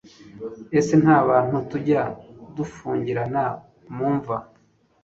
ese nta bantu tujya dufungirana mu mva